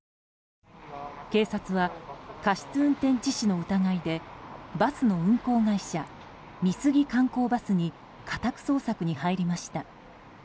警察は過失運転致死の疑いでバスの運行会社美杉観光バスに家宅捜索に入りました。